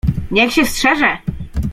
"Niech się strzeże!"